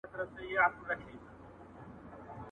چي ته ئې يووړې، گوا زه ئې يووړم.